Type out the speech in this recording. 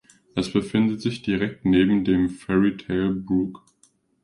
Es befindet sich direkt neben dem Fairy Tale Brook.